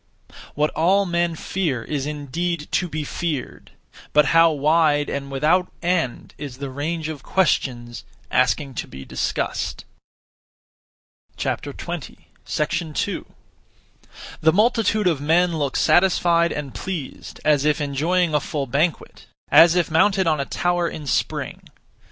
What all men fear is indeed to be feared; but how wide and without end is the range of questions (asking to be discussed)! 2. The multitude of men look satisfied and pleased; as if enjoying a full banquet, as if mounted on a tower in spring.